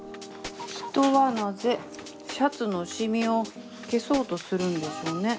人はなぜシャツのシミを消そうとするんでしょうね。